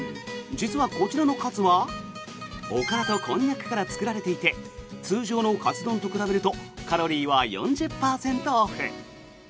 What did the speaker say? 実はこちらのカツはおからとこんにゃくから作られていて通常のカツ丼と比べるとカロリーは４０％オフ。